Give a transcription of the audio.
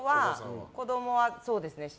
子供はそうですね。